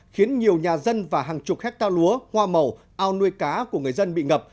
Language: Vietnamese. khiến nhiều nhà dân và hàng chục hectare lúa hoa màu ao nuôi cá của người dân bị ngập